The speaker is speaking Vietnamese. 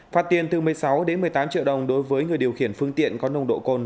phạt tiền từ một mươi sáu đến một mươi tám triệu đồng đối với người điều khiển phương tiện có nồng độ cồn